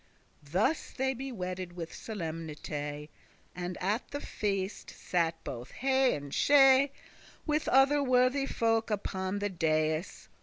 *certain Thus be they wedded with solemnity; And at the feaste sat both he and she, With other worthy folk, upon the dais.